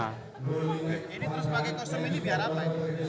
ini terus pakai kostum ini biar apa ini